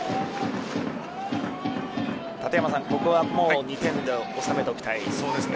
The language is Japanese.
ここは２点でおさめておきたい。